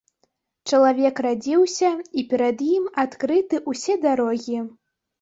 Чалавек радзіўся, і перад ім адкрыты ўсе дарогі.